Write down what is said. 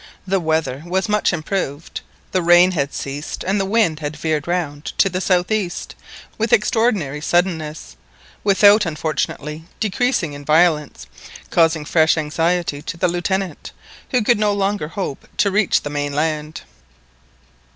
The weather was much improved, the rain had ceased, and the wind had veered round to the south east with extraordinary suddenness, without unfortunately decreasing in violence, causing fresh anxiety to the Lieutenant, who could no longer hope to reach the mainland.